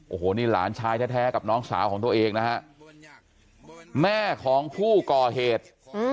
โอ้โหนี่หลานชายแท้กับน้องสาวของตัวเองนะฮะแม่ของผู้ก่อเหตุ